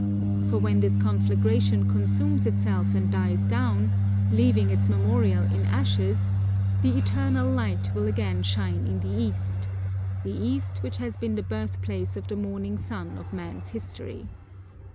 For when this conflagration consumes itself and dies down, leaving its memorial in ashes, the eternal light will again shine in the East, the East which has been the birth place of the morning sun of man's history.